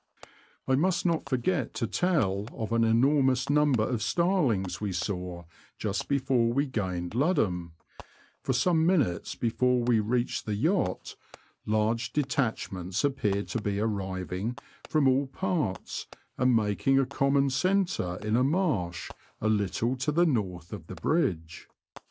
I must not forget to tell of an enormous number of starlings we saw just before we gained Ludham ; for some minutes before we reached the yacht large detachments appeared to be arriving from all parts and making a common centre in a marsh a little to the north of the bridge.